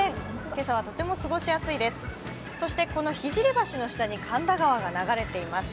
今朝はとても過ごしやすいです、そしてこの聖橋の下に神田川が流れています。